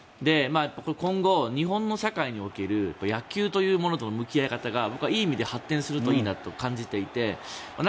今後、日本の社会における野球というものの向き合い方が僕は、いい意味で発展すればいいなと感じていて。